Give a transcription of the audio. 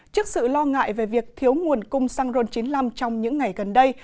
trước sự lo ngại về việc thiếu nguồn cung xăng ron chín mươi năm trong những ngày gần đây